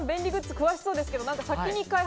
詳しそうですが。